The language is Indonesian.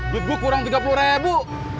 duit bu kurang tiga puluh ribu